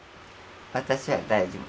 私は大丈夫。